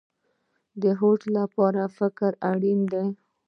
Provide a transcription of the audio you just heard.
د هوډ لپاره فکر اړین دی